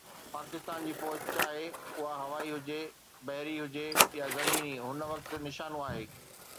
پاڪستان جي فوج، چاهي اها هوائي هجي، بحري هجي يا زميني، هن وقت نشانو آهي.